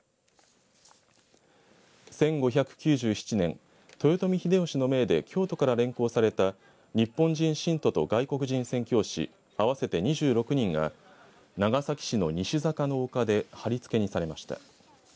１５９７年豊臣秀吉の命で京都から連行された日本人信徒と外国人宣教師合わせて２６人が長崎市の西坂の丘ではりつけにされました。